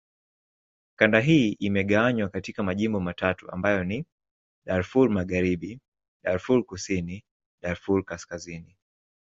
Kanda hii imegawanywa katika majimbo matatu ambayo ni: Darfur Magharibi, Darfur Kusini, Darfur Kaskazini.